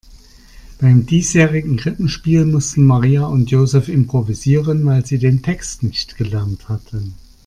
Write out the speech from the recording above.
Beim diesjährigen Krippenspiel mussten Maria und Joseph improvisieren, weil sie den Text nicht gelernt hatten.